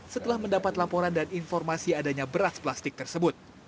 setelah mendapat laporan dan informasi adanya beras plastik tersebut